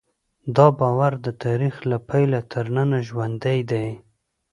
دا باور د تاریخ له پیله تر ننه ژوندی دی.